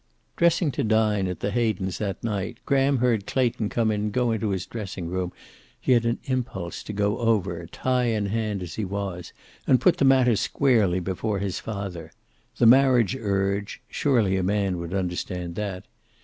Dressing to dine at the Hayden's that night, Graham heard Clayton come in and go into his dressing room. He had an impulse to go over, tie in hand as he was, and put the matter squarely before his father. The marriage urge surely a man would understand that.